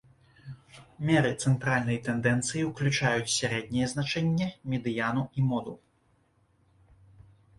Меры цэнтральнай тэндэнцыі ўключаюць сярэдняе значэнне, медыяну і моду.